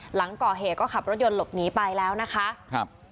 หลังก่อเหตุก็ขับรถยนต์หลบหนีไปแล้วนะคะครับ